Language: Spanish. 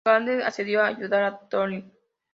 Gandalf accedió a ayudar a Thorin.